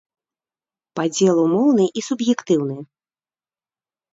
Падзел умоўны і суб'ектыўны.